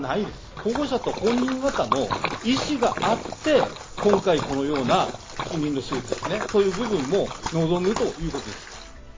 保護者と本人方の意思があって、今回このような避妊の手術、そういう部分も望むということです。